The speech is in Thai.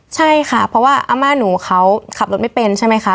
ใช่ค่ะเพราะว่าอาม่าหนูเขาขับรถไม่เป็นใช่ไหมคะ